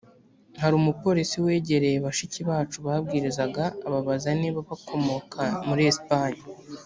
hari umupolisi wegereye bashiki bacu babwirizaga ababaza niba bakomoka muri esipanye